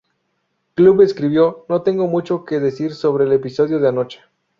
Club escribió: "no tengo mucho que decir sobre el episodio de anoche.